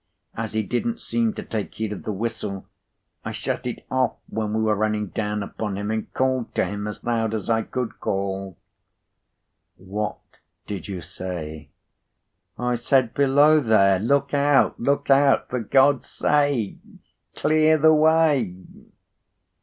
As he didn't seem to take heed of the whistle, I shut it off when we were running down upon him, and called to him as loud as I could call." "What did you say?" "I said, Below there! Look out! Look out! For God's sake clear the way!"